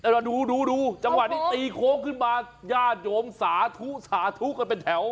เราดูดูจังหวะนี้ตีโค้งขึ้นมาญาติโยมสาธุสาธุกันเป็นแถว